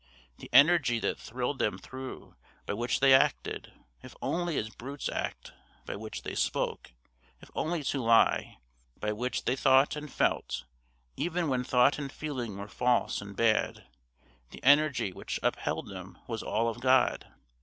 The energy that thrilled them through, by which they acted, if only as brutes act, by which they spoke, if only to lie, by which they thought and felt, even when thought and feeling were false and bad, the energy which upheld them was all of God.